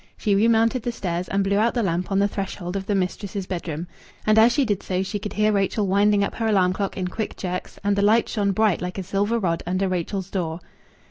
She remounted the stairs and blew out the lamp on the threshold of the mistress's bedroom. And as she did so she could hear Rachel winding up her alarm clock in quick jerks, and the light shone bright like a silver rod under Rachel's door.